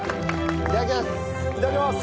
いただきます。